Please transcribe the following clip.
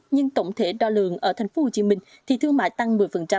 nhưng tổng thể đo lượng ở thành phố hồ chí minh thì thương mại tăng một mươi